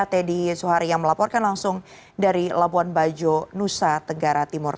teddy suhari yang melaporkan langsung dari labuan bajo nusa tenggara timur